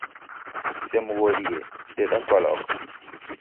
Kusemghoghorie, deda kwa lwaka